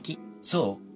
そう？